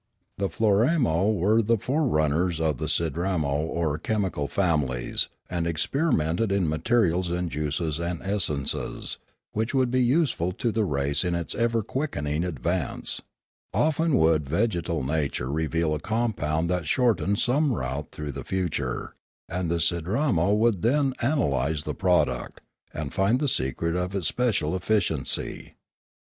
The Floramo were the forerunners of the Sidramo or chemical families, and experimented in materials and juices and essences, which would be useful to the race in its ever quickening advance. Often would vegetal nature reveal a compound that shortened some route through the future, and the Sidramo would then ana lyse the product, and find the secret of its special efficiency.